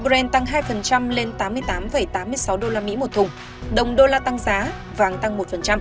hai lên tám mươi tám tám mươi sáu usd một thùng đồng đô la tăng giá vàng tăng một